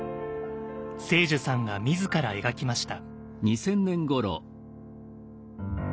青樹さんが自ら描きました。